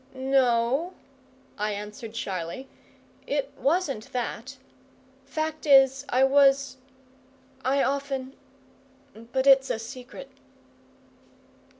"No," I answered shyly, "it wasn't that. Fact is, I was I often but it's a secret."